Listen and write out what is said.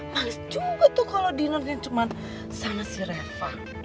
malis juga tuh kalau dinernya cuma sama si reva